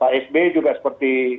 pak s b juga seperti